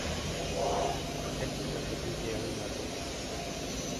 Esto se atribuye a un error de traducción.